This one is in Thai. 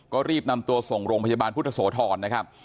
ก็รีบนำตัวส่งโรงพยาบาลพุทธโสธรนะครับ